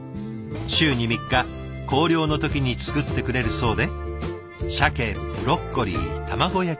週に３日校了の時に作ってくれるそうでしゃけブロッコリー卵焼きが定番。